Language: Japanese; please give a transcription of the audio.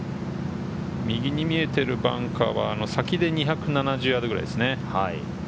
右に見えてるバンカーは先で２７０ヤードくらいですね。